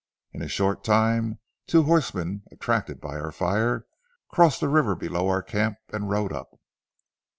In a short time two horsemen, attracted by our fire, crossed the river below our camp and rode up.